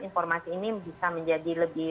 informasi ini bisa menjadi lebih